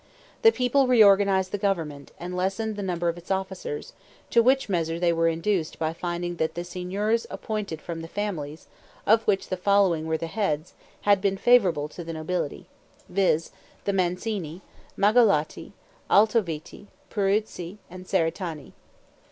The people reorganized the government, and lessened the number of its officers, to which measure they were induced by finding that the Signors appointed from the families, of which the following were the heads, had been favorable to the nobility, viz.: the Mancini, Magalotti, Altoviti, Peruzzi, and Cerretani.